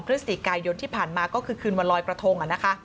พฤศจิกายนที่ผ่านมาก็คือคืนวันลอยกระทง